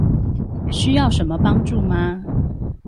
需要什麼幫助嗎？